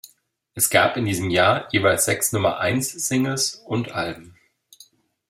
Es gab in diesem Jahr jeweils sechs Nummer-eins-Singles und -Alben.